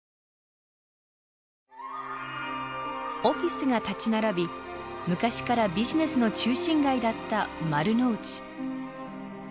オフィスが立ち並び昔からビジネスの中心街だった丸の内。